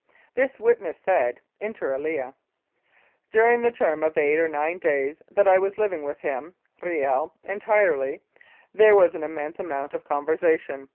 This witness said, inter alia : "During the term of eight or nine days that I was living with him (Riel) entirely, there was an immense amount of conversation.